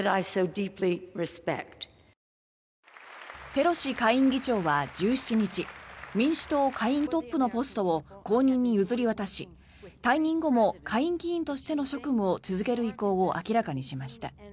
ペロシ下院議長は１７日民主党下院トップのポストを後任に譲り渡し退任後も下院議員としての職務を続ける意向を明らかにしました。